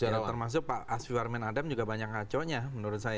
termasuk pak asfi warman adam juga banyak kaconya menurut saya